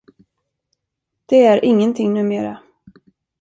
Det är ingenting numera.